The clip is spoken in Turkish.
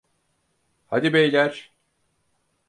Hadi beyler!